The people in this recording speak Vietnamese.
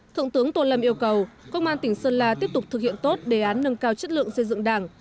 thượng tướng tô lâm yêu cầu công an tỉnh sơn la tiếp tục thực hiện tốt đề án nâng cao chất lượng xây dựng đảng